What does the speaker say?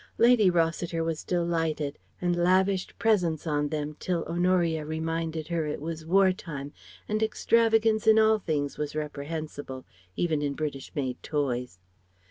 Lady Rossiter was delighted, and lavished presents on them, till Honoria reminded her it was war time and extravagance in all things was reprehensible, even in British made toys.